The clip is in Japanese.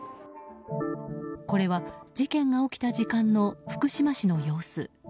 これは事件が起きた時間の福島市の様子。